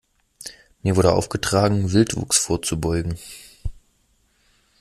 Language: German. Mir wurde aufgetragen, Wildwuchs vorzubeugen.